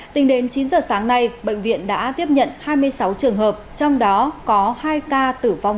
tính đến chín giờ sáng nay bệnh viện đã tiếp nhận hai mươi sáu trường hợp trong đó có hai ca tử vong